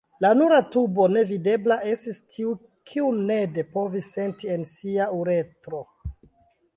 La nura tubo nevidebla estis tiu kiun Ned povis senti en sia uretro.